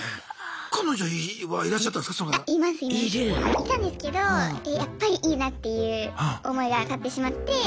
いたんですけどやっぱりいいなっていう思いが勝ってしまって。